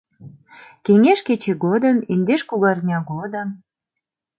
Кеҥеж кече годым, Индеш кугарня годым